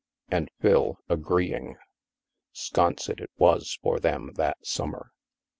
And, Phil agreeing, Sconset it was for them that summer.